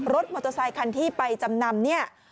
รถมอเตอร์ไซค์คันที่ไปจำนำ